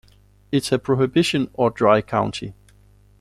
It's a prohibition or dry county.